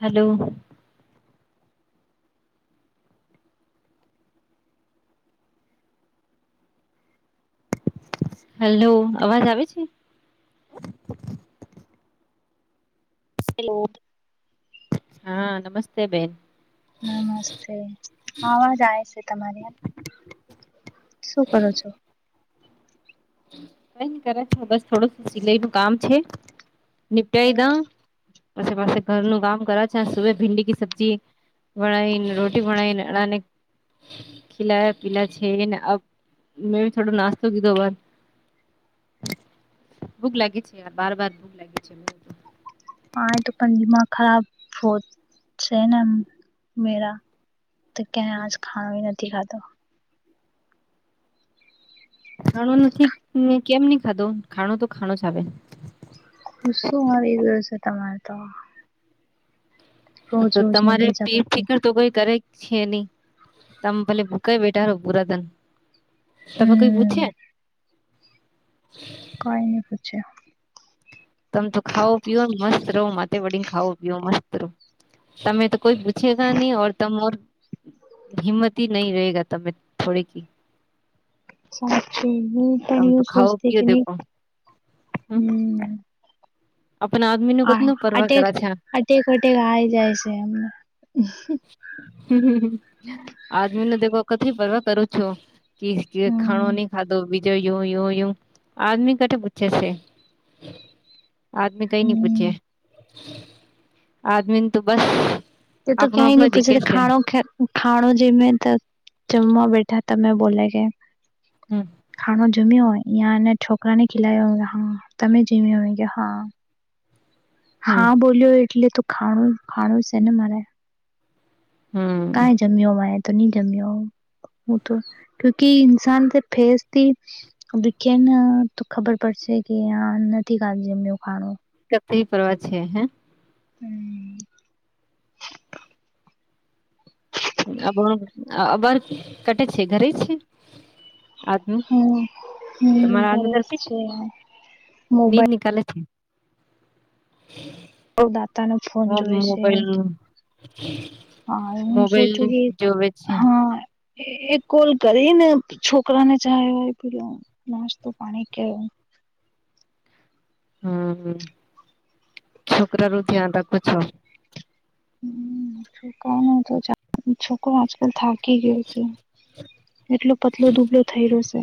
Hello hello અવાજ આવે છે હેલો હા નમસ્તે બેન નમસ્તે અવાજ છે તમારી શું કરો છો કઈ ન કરે બસ થોડું સિલાઈ નું કામ છે નિપટી દા પછ પાસે ઘરનું કામ કરે છે સુ ભીંડી ક સબ્જી બણાયન રોટી બણાયન ના ખલાયા પીલા છેને અ મેં થોડો નાસ્તો કીધો બાર ભુક લાગી છે બાર બાર ભુક લાગી છે બ હા એ તો પણ દિમા ખરાબ વત છેને મેરા તો ક્યાય આજ ખાણ નથી ખાતો ખાવાનું નથી કેમ નહી ખાતો ખાણો તો ખાણો જ ગુસ્સો આવી ગું છે તમારે તો રોજ તો રોજની તમારે ભેજા પેટ પટ્ટી ફકર તો કોઈ કરે છે નહી તમે પલે ભૂકાઈ બેઠા રહો પુરાધન તમે કોઈ હમ પૂછ્યા કઈ ન પૂછ્યો તમ તો ખાવો પીવને મસ્ત રહો મા વડીને ખાવો પીવ મસ્ત રહો તમે તો કોઈ પૂછેગ નહી ઓર તમાર હિમત હ નહી રહેગ તમે થોડે ક સા હ તમે તોઓ તો ખાઓ સોસ્તી પીઓ કે ન દેખો હમ આપણા આદમી નું હા કતનું પરવા અટેક કરા છે અટેક વટેક આઈ જાય છે એમને આદમીને દખ વખ પરરવા કરું છું ખાણો હમ નહી ખાધો બી જો યું યું યું આદમી કઠ પૂછછે છે આદમી કઈ નઈ હમ પૂછે આદમીને તો બસ તે તો આપણો ક્યાંય આપણો નહી પૂછે દીખે છે ખાણો ખાણો જેમે તો જમવા બેઠા તમે બોલે કે હમ ખાણો જમ્યો હોય અહં અને છોકરા ને ખિલાય હા તમે જેમ અ કે હા હમ હા બોલ્યો એટલે તો ખાણું ખાણું છે ને મારે હમ કઈ જમ્યો તો નહી જમ્યો હ તો ક્યુકી ઇસાન તે ફેસથી દખ્યા ના તો ખબર પડશે છે કે આ નથી ખાધૂજ એમને ખાણું સ પરવા છે હે હમ અ અ બાર કટ છે ઘરે છે આજનું હમ હમ તમારા આજનું ઘરે જ તરપી છે નીદ મોબાઈલ નિકાલે છે બ દાતા નો ફોન મો જોય છે એમ મોબાઈલ તો હા હું મોબાઈલ સોચું કે જોવે છે હા એક કોલ કરીને છોકરાને ચહે પીલો નાસ્તો પાણી કે હમ હમ છોકરા રું તિયા ત કછો હમ શ ક ન તો છોકરો આજકાલ થ કી ગયો છે એટલો પતલો દુબલો થઈ રહ્યો છે.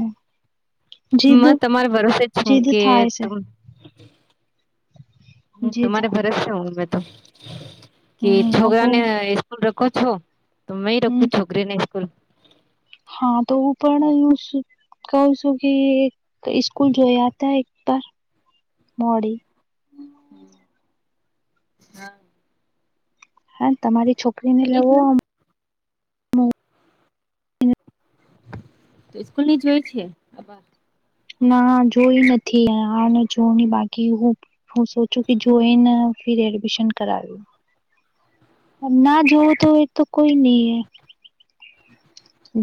જીદ મા તમારા ભરોસેે જ છું જીદ કે થાય છે હ જીદ તમારે ભરોસે હમે તો કે હમ આ બઉ છોકરાને સ્કૂલ કો છો તમે હમ રખું છોકરીને સ્કૂલ હા તો હું પણ કઉ છું કે સ્કૂલ જોઈયાતા એકબાર મોડી હા. હા તમારી છોકરીને ની લેવો જોઈ તો સ્કૂલ ની જોય છે આ ના જોઈ નથી હ જો બાકી હું હું સોચું કે જોઈને ફર એડમિશન કરાવું. ના જવું તો એ તો કોઈ નહી હ.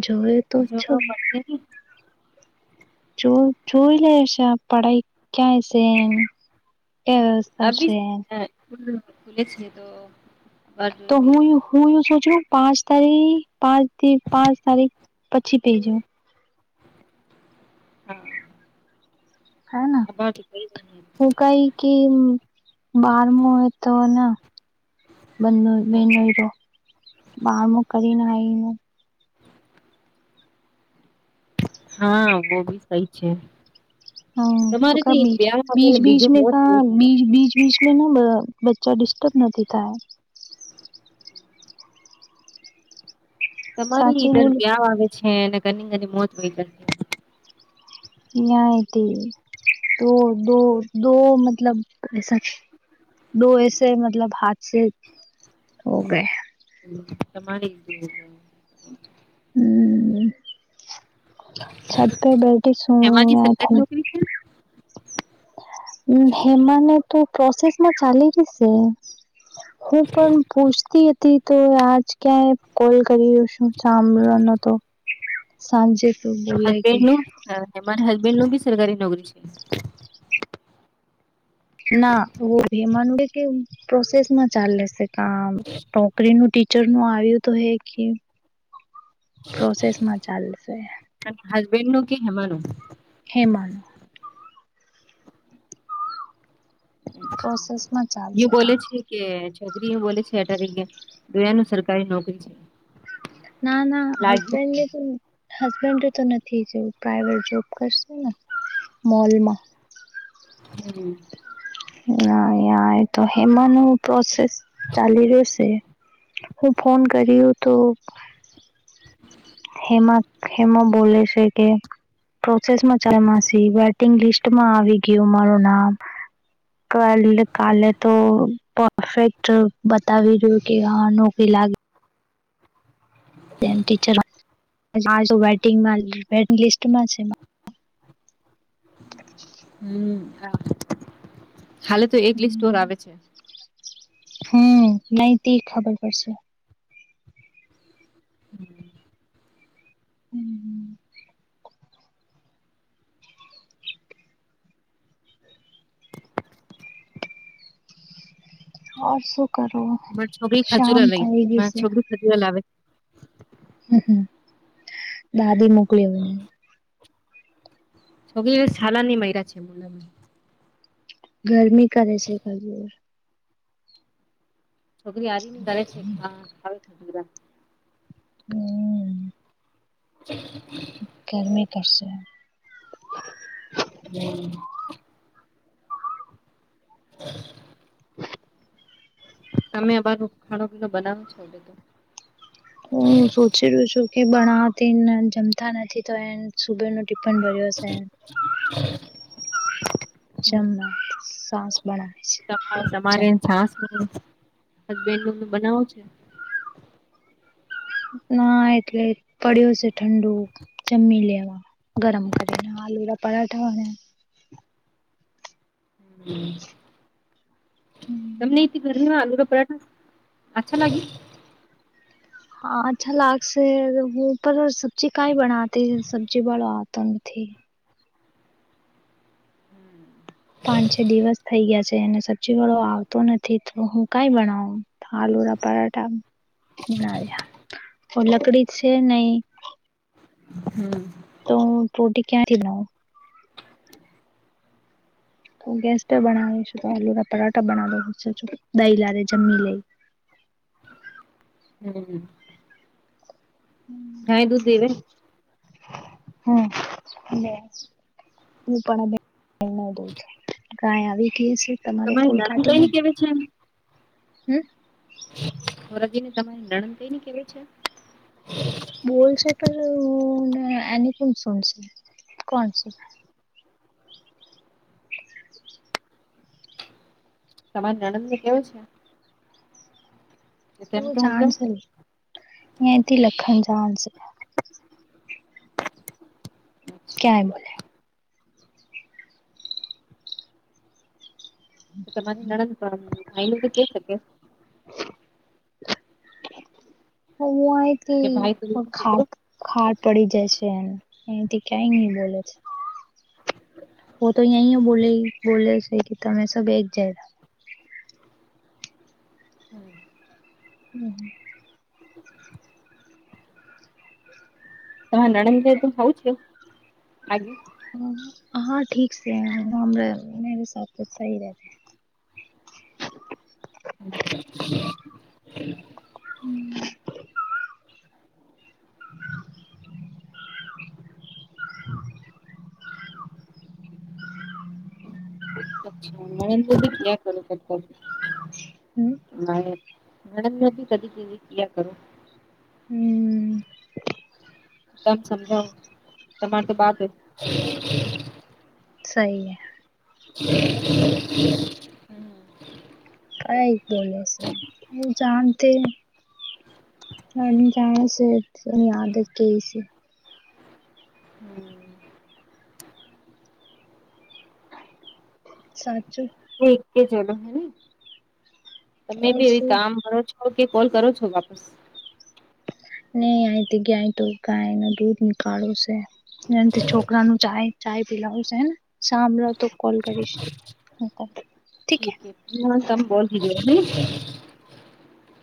જય તો છો. જોવા પડશે ને ચો ચોવી લશ પડાય કાય છે. એ વ્યવસ્થા અભી છે. [inaudible] [unintelligible] તો હું લેજો યું હું યું સોચું પાંચ તારી પાંચ પાંચ તારીખ પછી પેજો હા. નાના અખબાર તો કઈ નહી ઉકાયકી બારમ હો તો ના. બ હા બેનો તો બારમ કરીને આવીને હા વહ ભી સહી છે. હા તો તમારે કબ ઈ બીચ બ્યાવ આવે બીચ ને બીચ બીજું મે ક મોત વય બ જાય. બીચ બીચ બ બચ્ચા ડિસ્ટર્બ નથી થાય. સાચે તમારી ધર બોલ વ્યા આવે છે અને ઘની ઘની મોત વય ગ ન તે તો દો દો દો મતલબ એસા દો એસે મતલબ હાથ સે હો ગયા. તમારે ઈ હમ. છત પરે બેઠી સું હેમાની સરકારી હું તો. નોકરી છે હેમાને તો પ્રોસેસમાં ચાલી રહીશે. હું પણ પૂછતી હતી તો આજ ક્યાંય કોલ કરી્યો શું ચામળવાનો તો સાંજે તો બોલે કે હસબેન્ડ નું મારી હસબેન્ડ નું બી સરકારી નોકરી છે. ના હેમાનું કે પ્રોસેસમાં ચાલલેશે. ના નોકરીનું ટીચર નું આવ્યું તો હે કે પ્રોસસમાં ચાલશે. અને હસબેન્ડ નું કે હેમાનું હેમાનું. પ્રોસેસમાં એ ચાલશે બોલે કામ છે કે છોકરી એ બોલે છે અટારીગયા ગયા ન સરકારી નોકરી છે. ના ના લાગ્યું હસબન્ડને તો હસબન્ડ તો નથી કે પ્રાઈવેટ જોબ કરશે ને મોલમાં. હમ. ના યં એ તો હેમાંનું પ્રોસેસ ચાલી રહ્યું છે. હું ફોન કર્યો તો. હેમા હેમા બોલે છે કે પ્રોસેસમાં ચાલમાસી વેટિંગ લિસ્ટ માં આવી ગયું મારું નામ. ક કાલે તો પરફેક્ટ બતાવી રહું કે હા નોકરી લાગ એમ ટીચર [inaudible] છો વેટંગ વેટંગ લિસ્ટમાં છે હમ હાલે તો એક લિસ્ટ ઓર આવે છે હમ નહ તે ખબર પડશે [inaudible] હમ હમ ઓર શું કરો મારી છોકરી શામ ખજૂરા લઈ થઈ મારી ગઈશે છોકરી ખજૂરા લાવે છે હમ હમ દાદી મોકલી હોવે ને છો છાલાની માયરા છે મોલા માંઈ ગરમી કરે છે ખજર છોકરી હરી ને કરરેે છે હ હમ ગરમી કરશે હમ [inaudible] તમે અ બારું ખાડો પીલો બનાવો છો લીધું હું સોચી રહું છું કે બણતી જમતા નથી તો એ સુબે ન ટિફન બરીશે સાસ બનાવે તમા છે તમારે છાસ હજબેન નું બનાવું છે ના એટલે પડ્યો છે ઠંડુ જમી લેવા ગરમ કરીને આલુ રાખ પરાઠા તમને એથી ગરમીમાં આલુનો પરાઠ અચ્છા લાગી હા અચ્છા લાગશે હું પર સબ્જીી કઈ બનાતી સબ્જી વાળો આતો નથી [inaudible] પાંચ છ દિવસ થઇ ગયા છે સબ્જી વાળો આવતો નથી તો હું કઈ બનાવું આલુ રા પરાઠા તે બનાવ્યા ઑર લકડી છે નહી હમ તો રોટી ક્યાંથી બનાવ તું ગેસ્ટ બનાવીઈ છુ ત આલુ ના પરાઠા બના દ દહી લ દે જમી લઈ [unintelligible] હમ હાય દૂધ દેવે હમ એ હું પણ ન [inaudible] દઉ છ કઈ આવી કે છે તમારો તમારી કોલ નણંદ કઈ કાઢીને ની હમ વરજીને તમારી દણન કઈને કેવા છે બોલશે પર એની કોન સુનશે કોણ સ તમારે નણંદ નું કેવું છે કે તેમ એું તો જાણ સમજાવ છે અથી લખન જાણ છે અચ્છા ક્યાય બોલે તો તમારી નડન પણ આનું તો કે શકે હ કે અથી ભાઈ તું ખ સુધરો ખાર પડી જશે એમ એથી કે ન બોલો છે વ તો એય હો બોલે બોલે છે કે તમે સબ એક જાય [inaudible] હમ તમારે નણંદ ખવું છે આગે હા ઠીક છે મેરે સા તો સહી રહેતે અચ [inaudible] હમ [inaudible] [inaudible] અચ્છા મેી ક કર હમ મેડમ મે ભી કદી કદી ક કરું હમ તમ સમજાવ તમારી તો બાત સહી હ હમ અ એક બો છે એ જાતે ના જા છે યાદ કે છે સાચ એક કે ચલો હેને તમે ઓર બી એવી શું કામ કરો છો કે કોલ કરો છો વાપસ નહી આથી ગાય તો ગાય ન દૂધ નીકાળો છે એ છોકરા ન જાય ચાય પીલા હ છે હે સાામ્રત તો કોલ કરીશ ઠીક તમે બોલ દીજો હે.